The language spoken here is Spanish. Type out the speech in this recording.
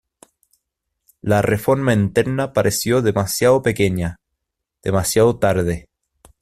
La reforma interna pareció demasiado pequeña, demasiado tarde.